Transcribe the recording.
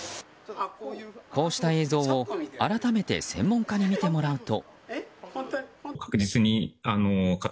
こうした映像を改めて専門家に見てもらうと。